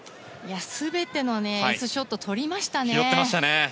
全てのエースショットをとりましたね。